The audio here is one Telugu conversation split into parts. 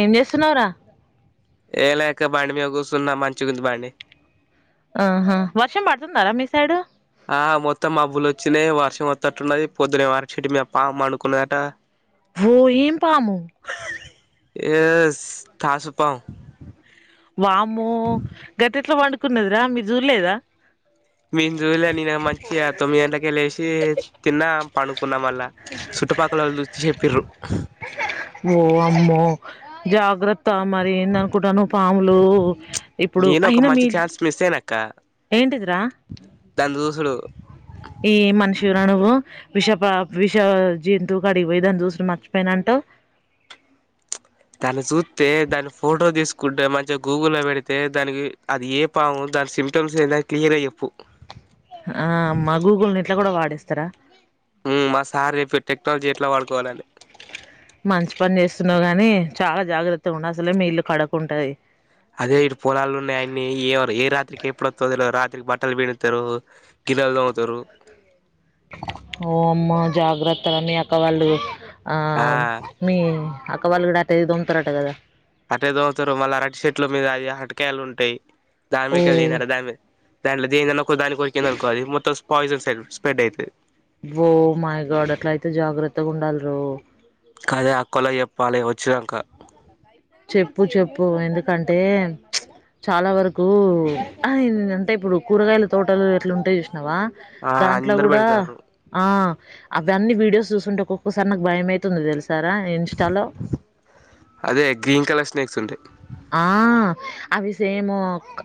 ఏంజెస్తునరా ఏ లేక బండి మీ కూర్చున్నా మంచిగుంది బండి ఆహా వర్షం పడుతుందారా మీ సైడు. ఆ మొత్తం మబ్బులోచ్చినాయి వర్ష మొత్త అటున్నది పొద్దునేమో అరుక్ షెడ్డు మీద పాము పడుకున్నదట హో ఏం పాము ఎస్ తాసు పాము కున్నదిరా మీరు జూలేదా మీం చూలే నేను మంచిగ తొమ్మిది గంటలకె లేసి తిన్నా పడుకున్న మళ్ళ చుట్టుపక్కల వాళ్ళ చూస్తే చెపిరు ఓ అమ్మో జాగ్రత్ తా మరి ఏందనుకుటనవ్ పాములు ఇప్పుడు అయినా మీ ఇల్లు అ దాన్ జూసుడు ఏ మనిషివిరా నువు విషప విష జంతువు కడిగిపోయి దాన్ని చూసు మర్చిపోయినంటవ్ దాన్ని చూతె దాని ఫోటో తీసుకుంటే మంచిగా గూగుల్లో లో పెడితే దానికి అది ఏ పాము దాని సిమ్టమ్స్ ఏ క్లియర్ గ చెప్పు ఆ మా గూగుల్ని ఇట్లా కూడా వాడేస్తరా మా సార్ రేపుట్ టెక్నాలజీ ఎట్లా వాడుకోవాలని మంచి పని చేస్తున్నావు గానీ చాలా జాగ్రత్తగా ఉండ అసలే మీ ఇల్లు కడకుంటది అదే ఇటు పొలాలు ఉన్నాయియన్నీ ఏ ఏ రాత్రికి ఎప్పుడు వతు రాత్రికి బట్టలు పిడుతరు గిల్లలు దొమ్ముతారు ఓ అమ్మ జాగ్రత్తరా మీ అక వాళ్ళు ఆ మీ అక్క వాళ్లు కూడ అటె దొమ్తారట కదా అట్టేదోవుతారు మళ్ళీ అరటి చెట్ల మీద అది హటకాయలు ఉంటాయి ఓ ధార్మికళి నడదమే దాంట్ల దీద నొక్ క్క దాని కొరికిందనుకో అది మొతం పాయిజన్స్ సెల్ స్ప్రెడ్ ఐతది ఓ మాయగడ అట్ల అయితే జాగ్రత్తగా ఉండాల రో కాదే అక్కోలకు చెప్పాలె వచ్చినక చెప్పు చెప్పు ఎందుకంటే ప్చ్ చాలా వరకు అంటే ఇప్పుడు కూరగాయల తోటలు ఎట్లుంటయ్ నువా ఆ దాంట్లో అందరు కూడా పెడతారు ఆ అవన్నీ వీడియోస్ చూసుంటే ఒక్కొక్కసారి నాకు భయం అవుతుంది తెలుసు సారా ఇన్స్టాలో అదే గ్రీన్ కలర్ స్నేక్స్ ఉంటయ్ ఆ అవి సేము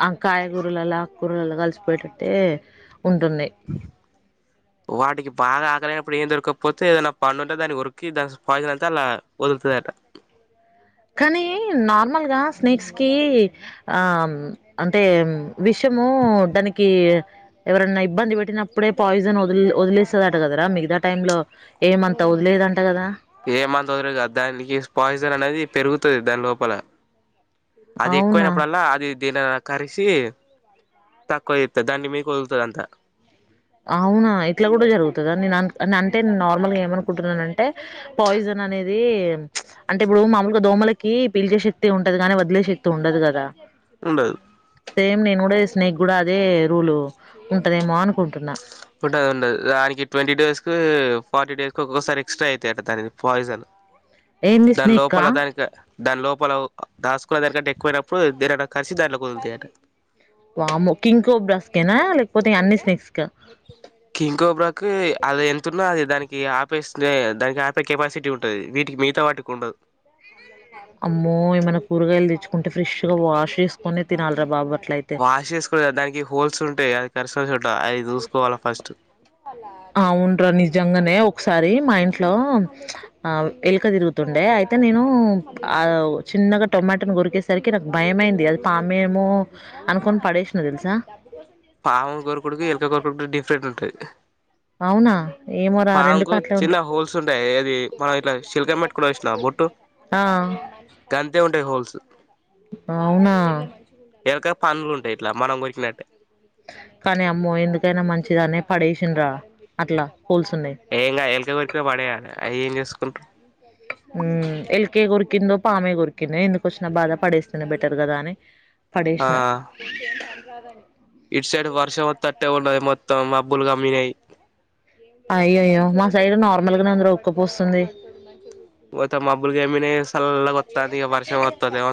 అంకాయగూరలలో ఆ కూరలలో కలిసిపోయేటట్టే ఉంటుంది వాటికి బాగా ఆకలినప్పుడు ఏం దొరకపోతే ఏదనా పళ్లు ఉంటే దాన్ని కొరికి దాని పాయిజన్ అంతా అలా వదులుతదట కానీ నార్మల్గా స్నేక్స్ కి ఆ అంటే విషము దానికి ఎవరన్నా ఇబ్బంది పెట్టినప్పుడే పాయిజన్ వ వదిలేస్తదట కదరా మిగతా టైం లో ఏమంతా వదిలేయదంట కదా ఏమని వదర కదా దానికి స్ప పాయిజన్ అనేది పెరుగుతది దాని లోపల అది అవునా? ఎక్కువయినప్పుడల్లా అది దీన కరిసి తకు ఇత దని మీకు ఒదుల్త అంత అవునా ఇట్లా కూడా జరుగుతుదా నేను అంటే నేను నార్మల్గా ఏమనుకుంటున్నానంటే పాయిజన్ అనేది ప్చ్ అంటే ఇప్పుడు మామూలుగా దోమలకి పీల్చే శక్తి ఉంటది కాగాని వదిలే శక్తి ఉండదు కదా ఉండదు సేమ్ నేను కూడా స్నేక్ కూడా అదే రూలు ఉంటదేమో అనుకుంటున్నా ఉంట అ ఉంటదునికి ట్వంటీ డేస్ కి ఫార్టీ డేస్ కి ఒక్కోసారి ఎక్స్ట్రా అవుతాయి అట దా పాయిజన్ ఏం దాని స్నేక్క లోపల దానికి దాని లోపల దాసుకునే దానికంటే ఎక్కువయినప్పుడు నేను వామ్మో కింగ్ కోబ్రస్కేనా లేకపోతే అన్ని నెక్స్కా కింకోబ్రాకి అది ఎంంతతున్నా అది దానికి ఇ ఆపేస్తే దానికి ఆపే కెపాసిటీ ఉంటుంది వీటికి మిగతా వాటికి ఉండదు అమ్మో ఏమన్న కూరగాయలు తెచ్చుకుంటే ఫ్ర్రిష్ గా వాష్ చేసుకునే తినాలరా బాబుర్ వాష్ చేేసుకో దానికి హోల్స్ ఉంటాయి చారి అవునురా నిజ్ జంగనే ఒకసారి మా ఇంట్లో ఆ ఎలుక తిరుగుతుండే అయితే నేను ఆ చిన్నగా టొమాటాను గొరికేసరికి నాకు భయమయింది అది పామేమో అనుకొని పడేసిన తెలుసా పావం కోర కొడుకు ఇలకా కోర కొడుకు డిఫరెంట్ ఉంట అవునా ఏమోరా రెండు పాముకు కాట్లే చిన్న ఉంటాయి హోల్స్ ఉంటాయి అది మనం ఇట్లా చిల్కం మట్టు కూడా వసినా బొట్టు ఆ, గంతే ఉంటాయి హోల్స్ అవునా ఎలక పనులు ఉంటాయి ఇట్లా మనం కొరికినట్టే నచ్చదాని పడేసిన్రా అట్లా హోల్స్ ఉన్నాయి ఏం ఎలక కోరిక పడేయాలి అవి ఏం చేసుకుంట్రారు ఉ ఎల్కే కొరికిందో పామే కొరికిందో ఎందుకు వచ్చినా బాధ పడేస్తేనే బెటర్ కదా అని ఆ పడేసిన ఇటు సైడ్ వర్షం వత్తాటే ఉన్నది మొత్తం మబ్బులు కమినేయి అయ్యో అయ్యో మా సైడ్ నార్మల్ గానే ఉంది ఉక్కపోస్తుంది మొత్తం మబ్బులు కమినయి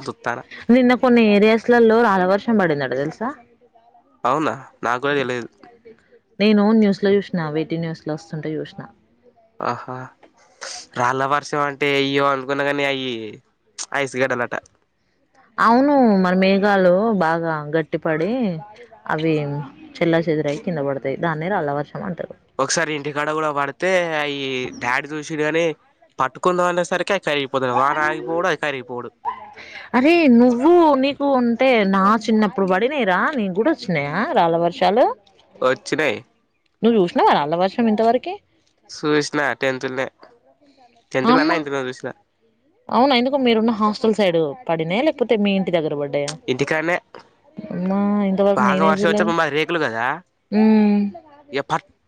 చూత్తాన నిన్న కొన్ని ఏరియాస్లలో రాల వర్ష బడిన్నాడు తెలుసా అవునా నాకు కూడా తెలియదు నేను న్యూస్ లో జూసినా వేటి న్యూస్ లో వస్తుంటే చూసిన రాళ్లు అంటే అయ్యో అనుకున్నా కానీ అయి ఐస్ గడాలట అవును మన మేఘాలు బాగా గట్టిపడి అవి చెల్ల చెదురయి కింద పడతాయి దానినే రాళ్ల వర్షం అంటారు ఒకసారి ఇంటికాడ కూడా పడితే ఈ డాడీ చూసిడు గాని పట్టుకుని అనే సరికి కరిగిపోతు వాన ఆగిపోడు అది కరిగిపోడు అయితే నా చిన్నప్పుడు పడినయిరా నీను కూడా వచ్చినాయా రాళ్ళ వర్షాలు వచ్చినాయి నువ్వు చూసినవా రాళ్ల వర్షం మం ఇంతవరకి చుసిన టెన్త్ నే అమ్మా అవునా ఎందుకు మీరున్న హాస్టల్ సైడ్ పడినాయి లేకపో మీ ఇంటి దగ్గర పడి ఇంటికాడనే మా ఇంతవరకు బాగా నేనే వర్షం చూడలేదు వచ్చేప్పుడు మాది రేకులు కదా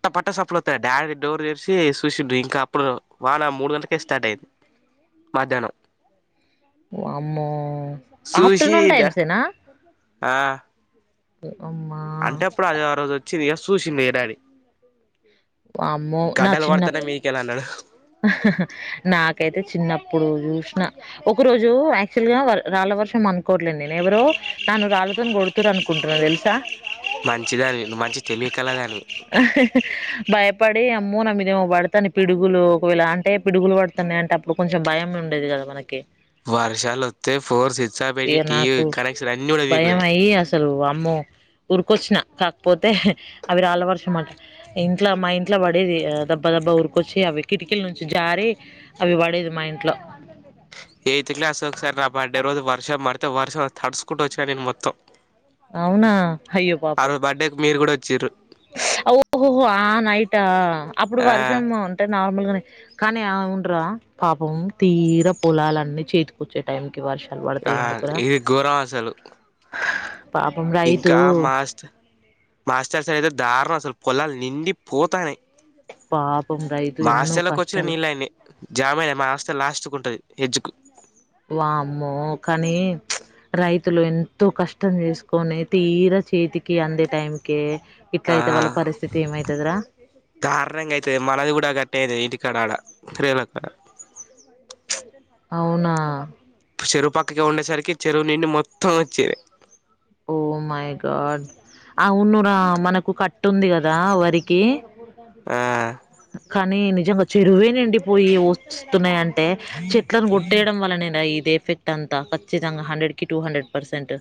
ట్ట పట్టా సప్పులవుతాడు డాడీ డోర్ చేసి చూసిండు ఇంకా అప్పుడు వాన మూడు గంటల కస్టార్ట్ అయింది మధ్యాహ్నం వామ్మో చూసి ఆఫ్టర్నూన్ డా టైమ్స్నా ఆ అ [unintelligible] అంటే అప్పుడు అది ఆ రోజు వచ్చి రియల్ ఇయర్స్ చూసిండు డాడీ వామ్మో నా గడాలు చిన్న పడతనే మీకె లా అన్నా నాకైతే చిన్నప్పుడు చూసిన ఒక రోజు యాక్చువల్ గా రాళ్ళ వర్షం అనుకోవట్లేండి నేను ఎవరో తను రాళ్ళతోని గడ తు అనుకుంటున్నారు తెలుసా మంచిదానివి నువ్వు మంచి తెలివి కలదానివి భయపడి అమ్మో నా మీదేమో పడతాను పిడుగులు కొలా అంటే పిడుగులు పడుతున్నాయంటే అప్పుడు కొంచెం భయం ఉండేది కదా మనకి వర్షాలు వత్తే ఫోర్ సిట్ ఇక నాకు భయం అయి అసలు అమ్మో ఉరికొచ్చిన కాకపోతే అవి రాళ్ళ వర్షం అంట అమాట ఇంట్లో మా ఇంట్లో పడేది దెబ్బా దెబ్బా ఉరికొచ్చి అవి కిటికీల నుంచి జారి అవి పడేది మా ఇంట్లో. ఎయిత్ క్లాస్ వ సార్ నా బర్డే రోజ వర్ష మరత వర్షం తడుస్సుకుంటట్ వచ్చిన నిన్ మొం అవునా అయ్యో పాపం బర్త్డేకి మీరు కూడా వచ్చిర్రు ఓహోహో ఆ నైటా అప్పుడు ఆ వర్షం అంటే నా మ కానీ అ ఉండరా పాపం తీర పొలాలన్నీ చేతికొచ్చే టైం ఆ ఇది ఘోరం అసలు పాపం రైతు ఇంకా మాస్టర్ మాస్టర్స్ అయితే దారుణం వస్తు అసలు పొలాలు నిండి పోతానే పాపం రైతు మా ఎన్నో ఆస్లోకి వచ్చిన కష్టాలు నీళ్ళయన్ని జామయనా మా ఆస్ లాస్ట్కి ఉంటది ఎజుకు వామ్మో కానీ రైతులు ఎంతో కష్టం చేసుకొని తీర చేతికి అందే టైం కే ఆ కారణంగా అయితుది మనది కూడాడా గట్టది ఇది కడాడ త్రేలక్క అవునా చెరువు పక్కకి ఉండేసరికి చెరువు నిండి మొత్తం వచ్చేది ఓ మై గాడ్ ఆ ఉన్న రా మనకు కట్టు ఉంది కదా వరికి ఆ కానీ నిజ్ నిజంగ చెరువే నిండిపోయి వస్తున్నాయి అంటే చెట్లను కొట్టేయడం వల్లనేనా ఇది ఎఫెక్ట్ అంతా ఖచ్చితంగా హండ్రెడ్ కి టూ హండ్రెడ్ పర్సెంట్.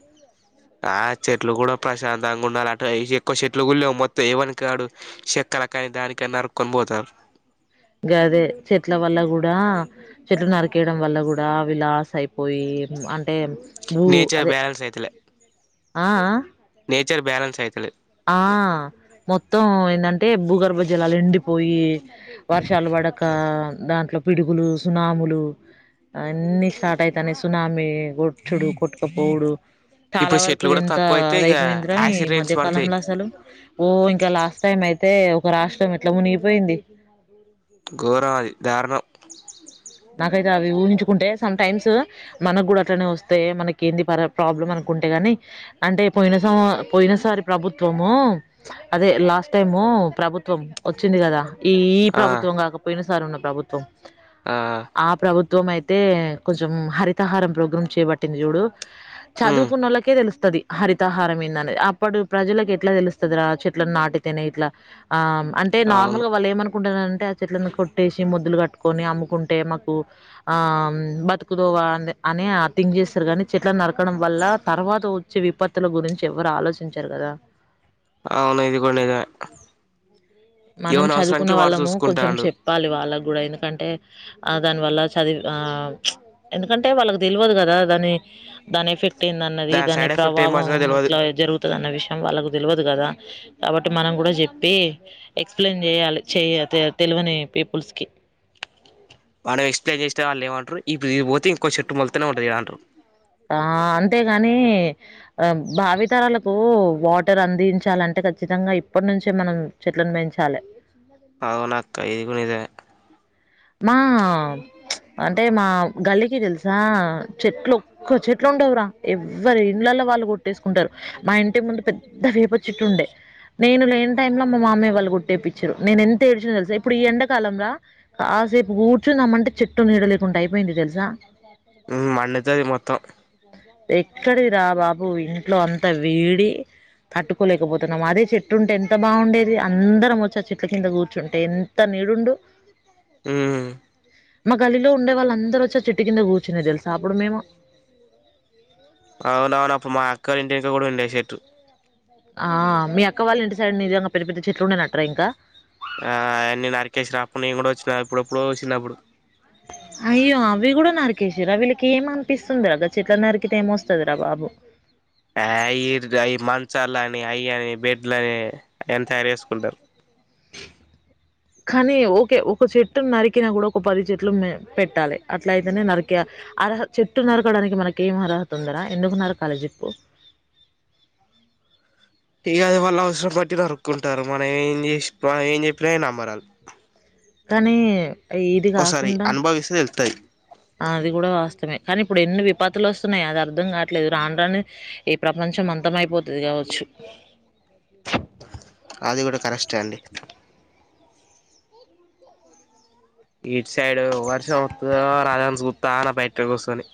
ఆ చెట్లు కూడా ప్రశాంతంగా ఉండాలి అంట ఈ ఎక్కువ చెట్లు కూడా లేవు మొత్తం ఏవని కాడు చెత్తల కాగితల కాని నరుక్కొని పోతారు. గదే చెట్ల వల్ల కూడా చెట్లు నరికేయడం వల్ల కూడా అవి లాస్ అయిపోయి అంటే. ఊ నేచర్ అదే బ్యాలెన్స్ అయితలే ఆ అ నేచర్ బ్యాలన్స్ అయితలే. మొత్తం ఏంటంటే భూగర్భ జలాలు ఎండిపోయి. వర్షాలు పడక దాంట్లో పిడుగులు, సునాములు అన్నీ స్టార్ట్ అయితాన్నాయి సునామి వచ్చుడు, కొట్టుకపోవుడు. చాలా ఇప్పుడు వరకు చెట్లు కూడా ఇంత తక్కువ అయితే ఇక అదయిపోయిందిరా ఈ యాసిడ్ రైన్స్ మధ్య అ పడతాయి కాలంలో అసలు ఓ ఇంకా లాస్ట్ టైం అయితే. ఒక రాష్ట్రం ఎట్లా మునిగిపోయింది. గోరమ్ అది. ధారుణం. నాకైతే అవి ఊహించుకుంటే సమ్ టైమ్స్ మనకు కూడా అట్లనే వస్తే మనకి ఏంది ప్రాబ్లం అనుకుంటే కాని అంటే పోయిన స పోయిన సారి ప్రభుత్వము అదే లాస్ట్ టైము ప్రభుత్వం వచ్చింది కదా ఈ ఆ ప్రభుత్వం కాక పోయినసారి ఉన్నది. ప్రభుత్వం. ఆ ఆ ప్రభుత్వ. ప్రభుత్వం అయితే కొంచెం హరితహారం ప్రోగ్రామ్ చేబట్టింది చూడు. ఉమ్ చదువుకున్నోళ్ళకే తెలుస్తుది. హరిత హారం ఏంది అన్నది అప్పుడు ప్రజలకి ఎట్లా తెలుస్తది రా చెట్లను నాటితేనే ఇట్లా. ఆ అంటే నార్మల్ అవును గా వాళ్ళు ఏమను కుంటానంటే ఆ చెట్లను కొట్టేసి మొద్దులు కట్టుకొని అమ్ముకుంట. అంటే మాకు ఆ బతుకుధోవ అని అనే థింక్ చేస్తారు కానీ చెట్లను నరకడం వల్ల తర్వాత వచ్చే విపత్తుల గురించి ఎవ్వరు ఆలోచించరు కదా. అవును ఇది కూడా నిజమే మనం ఎవని చదువుకున్న అవసరానికి వాడు వాళ్ళము, కొంచెం చూసుకుంటాండు చెప్పాలి వాళ్లకు. ఆయన కంటే ఆ దాని వల్ల చదివి ఆ ఎందుకంటే వాళ్ళకి తెల్వదు కదా దాని దాని ఎఫెక్ట్. ఎందన్నది దాని సైడ్ ఎఫెక్ట్ ఏం ప్రభావం పడుతుందో తెలవదు ఇట్లా జరుగుతది అన్న విషయం వాళ్ళకు. తెలివదు కదా కాబట్టి మనం కూడా చెప్పి ఎక్స్ప్లెయిన్ చేయాలి చెయ తె తెలువని పీపుల్స్కి. మనం ఎక్స్ప్లెయిన్ చేస్తే వాళ్ళు ఏమంటారు ఇక్కడ ఇది పోతే ఇంకో చెట్టు మొళ్తనే ఉంటది కదా అంటారు. ఆ అంతేగాని ఆ భావితరాలకు వాటర్ అందించాలంటే ఖచ్చితంగా ఇప్పటి నుంచే మనం చెట్లను పెంచాలి. అవును అక్క ఇది కూడ నిజమే. మా అంటే మా గల్లికి తెలుసా చెట్లు ఒక్క చెట్లు ఉండవురా ఎవ్వరి ఇండ్లలో వాళ్ళు కొట్టేసుకుంటారు మా ఇంటి ముందు పెద్ద వేప చుట్టు ఉండే నేను లేని టైంలో మా మామయ్య వాళ్ళు కొట్టేపించిరు నేను ఎంత ఏడ్చిన్నో తెలుసా ఇప్పుడు ఈ ఎండ కాలంల కాసేపు కూర్చుందామంటే చెట్టు నీడ లేకుండా అయిపోయింది తెలుసా. ఉమ్ మండుతది మొత్తం అ ఎక్కడిది రా బాబు ఇంట్లో అంత వేడి తట్టుకోలేకపోతున్నాము అదే చెట్టుంటే ఎంత బాగుండేది అందరం వచ్చి ఆ చెట్ల కింద కూర్చుంటే ఎంత నీడ ఉండు. ఉమ్ మా గల్లిలో ఉండే వాళ్ళ అందరు వచ్చి ఆ చెట్టు కింద కూర్చునేది తెలుసా అప్పుడు మేము అవునవును అప్పుడు మా అక్క ఇంటికో కూడా ఉండేది చెట్టు ఆ మీ అక్క వాళ్ళ ఇంటి సైడ్ నిజంగా పెద్ద పెద్ద చెట్లు ఉండే నంటరా ఇంకా ఆ అయన్నీ నరికేసినా అప్పుడు నేను కూడా వచ్చిన అప్పుడు ఎప్పుడో చిన్నప్పుడు అయ్యో అవి కూడా నరికేసిర్రా వీళ్ళకి ఏం అనిపిస్తుంది రా చెట్లను నరికితే ఏం వస్తది రా బాబు ఆ ఈడు డ్రై మంచాలన్ అయ్యని అని బెడ్లని [unintelligible] చారేసుకుంటా కానీ ఓకే ఒక చెట్టును నరికినా కూడా ఒక పది చెట్లు [unintelligible] పెట్టాలి అట్లా అయితేనే నరికే అర్హ చెట్టు నరకడానికి మనకేం అర్హత ఉంది రా ఎందుకు నరకాలి చెప్పు ఇగ అది వాళ్ళు అవసరం పట్టి నరుక్కుంటారు మనం ఏం చేసచ ఏం చెప్పిన నమ్మరు వాళ్లు కానీ ఇది కాకుండా అనుభవిస్తే తెలుత్తది అది కూడా వాస్తమే కానీ ఇప్పుడు ఎన్ని విపత్తులు వస్తున్నాయి అది అర్ధం కావట్లేదు రాను రాను ఈ ప్రపంచం అంతం అయిపోతుది కావచ్చు అది కూడా కరెస్టే అండి ఇటు సైడ్ వర్షం వత్తుదో రాదో అని చూత్ తాన బయట కూసొని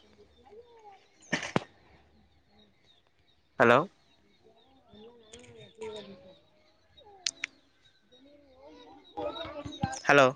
హలో హలో